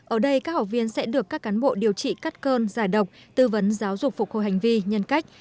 ở đây các học viên sẽ được các cán bộ điều trị cắt cơn giải độc tư vấn giáo dục phục hồi hành vi nhân cách